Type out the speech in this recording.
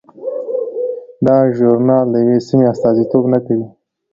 دا ژورنال د یوې سیمې استازیتوب نه کوي.